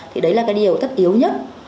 thì đấy là cái điều tất yếu nhất